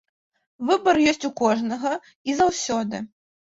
Выбар ёсць у кожнага і заўсёды.